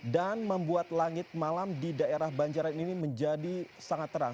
dan membuat langit malam di daerah banjaran ini menjadi sangat terang